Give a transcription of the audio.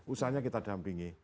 usahanya kita dampingi